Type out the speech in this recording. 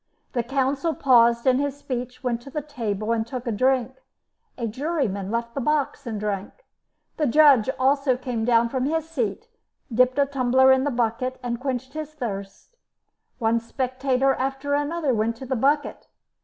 The counsel paused in his speech, went to the table, and took a drink; a juryman left the box and drank. The judge also came down from his seat, dipped a tumbler in the bucket and quenched his thirst; one spectator after another went to the bucket.